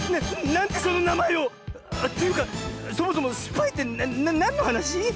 なんでそのなまえを⁉というかそもそもスパイってなんのはなし？